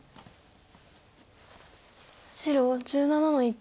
白１７の一。